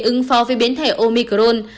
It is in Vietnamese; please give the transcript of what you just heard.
ứng pho với biến thể omicron